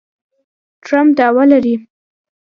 ټرمپ دعوه لري